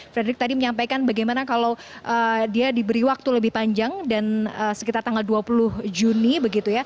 fredrik tadi menyampaikan bagaimana kalau dia diberi waktu lebih panjang dan sekitar tanggal dua puluh juni